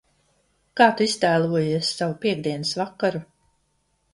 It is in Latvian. Kā Tu iztēlojies savu piektdienas vakaru?